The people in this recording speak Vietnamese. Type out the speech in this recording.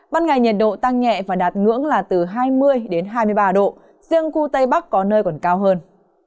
ban ngày nhiệt độ tăng nhẹ và đạt ngưỡng là từ hai mươi hai mươi ba độ riêng khu tây bắc có nơi còn cao hơn